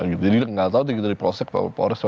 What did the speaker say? kasih gitu jadi gak tahu dijaga dari polres dari oggi slides